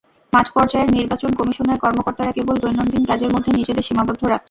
মাঠপর্যায়ের নির্বাচন কমিশনের কর্মকর্তারা কেবল দৈনন্দিন কাজের মধ্যে নিজেদের সীমাবদ্ধ রাখছেন।